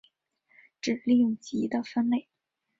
指令集的分类